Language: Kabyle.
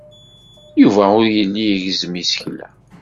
Yuba ur yelli igezzem isekla.